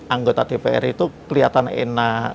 anggota dpr itu kelihatan enak